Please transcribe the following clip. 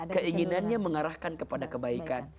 keinginannya mengarahkan kepada kebaikan